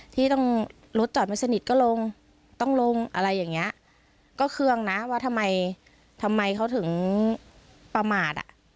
ที่ต้องรถจอดไม่สนิทก็ลงต้องลงอะไรอย่างเงี้ยก็เครื่องนะว่าทำไมทำไมเขาถึงประมาทอ่ะ